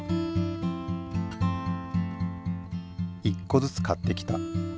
１個ずつ買ってきた。